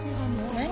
何？